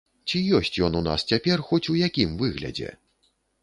Ці ёсць ён у нас цяпер хоць у якім выглядзе?